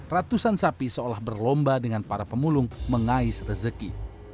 ratusan sapi seolah berlomba dengan para pemulung mengais rezeki